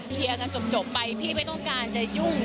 เคลียร์กันจบไปพี่ไม่ต้องการจะยุ่ง